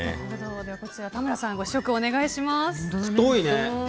こちら、田村さんご試食をお願いします。